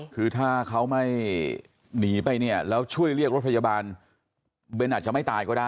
คือถ้าเขาไม่หนีไปเนี่ยแล้วช่วยเรียกรถพยาบาลเบนอาจจะไม่ตายก็ได้